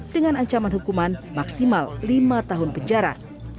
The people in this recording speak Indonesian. dengan ancaman hukuman maksimal lima tahun penjara